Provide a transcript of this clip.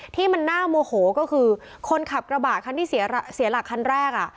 ที่มันน่าโมโหก็คือคนขับกระบะคันที่เสียหลักคันแรกอ่ะ